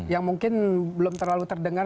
yang mungkin belum terlalu terdengar